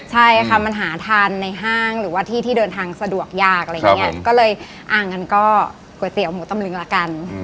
ใช่ค่ะมันหาทานในห้างหรือว่าที่ที่เดินทางสะดวกยากอะไรอย่างเงี้ยก็เลยอ่างั้นก็ก๋วยเตี๋ยวหมูตำลึงละกัน